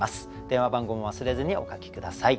電話番号も忘れずにお書き下さい。